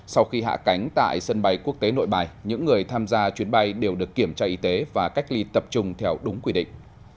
sau khi hạ cánh tại sân bay quốc tế nội bài những người tham gia chuyến bay đều được kiểm tra y tế và cách ly tập trung theo đúng quy định